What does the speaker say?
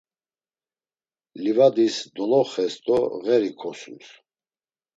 Livadis doloxes do ğeri kosums.